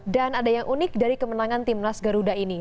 dan ada yang unik dari kemenangan timnas garuda ini